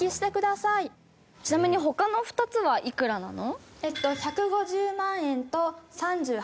ちなみに他の２つはいくらなの？